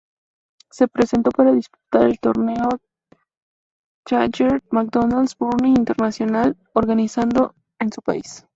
Se presentó para disputar el torneo challenger McDonald's Burnie International organizado en su país.